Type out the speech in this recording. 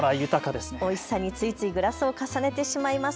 おいしさについついグラスを重ねてしまいます。